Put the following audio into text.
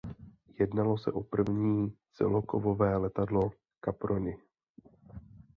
Jednalo se o první celokovové letadlo Caproni.